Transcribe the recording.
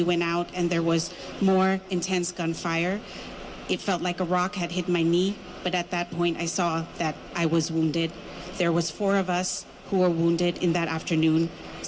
ว่าผมตายแล้วมี๔คนตายในเมื่อที่นั่น